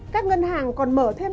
các ngân hàng còn mở thêm